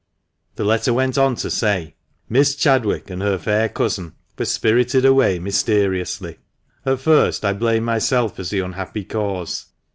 The letter went on to say — "Miss Chadwick and her fair cousin were spirited aivay mysteriously. At first I blamed myself as the unhappy cause.